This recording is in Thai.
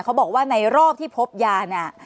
เขาบอกว่าในรอบที่พบยาเนี่ย